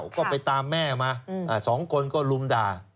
ก็ไปตามแม่มา๒คนก็ลุมด่า